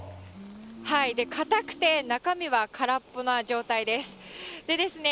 硬くて中身は空っぽな状態です。